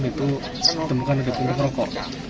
itu ditemukan ada pengeproko